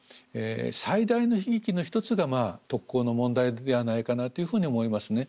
最大の悲劇の一つが特攻の問題ではないかなというふうに思いますね。